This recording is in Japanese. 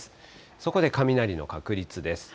そこで雷の確率です。